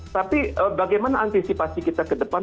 tapi bagaimana antisipasi kita ke depan